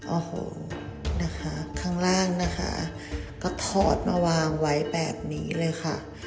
โอ้โหนะคะข้างล่างนะคะก็ถอดมาวางไว้แบบนี้เลยค่ะ